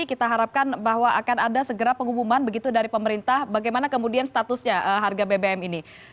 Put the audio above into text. kita harapkan bahwa akan ada segera pengumuman begitu dari pemerintah bagaimana kemudian statusnya harga bbm ini